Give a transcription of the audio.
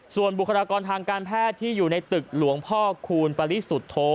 ส่วนบุคลากรทางการแพทย์ที่อยู่ในตึกหลวงพ่อคูณปริสุทธโธ